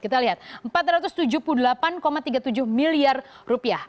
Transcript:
kita lihat empat ratus tujuh puluh delapan tiga puluh tujuh miliar rupiah